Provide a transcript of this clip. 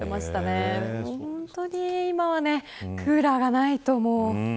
本当に今はクーラーがないと。